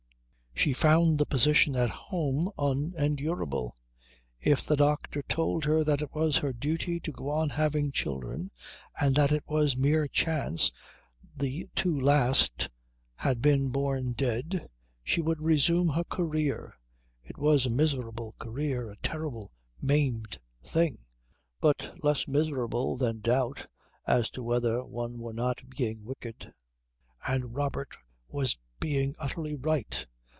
She found the position at home unendurable. If the doctor told her that it was her duty to go on having children, and that it was mere chance the two last had been born dead, she would resume her career. It was a miserable career a terrible, maimed thing but less miserable than doubt as to whether one were not being wicked and Robert was being utterly right.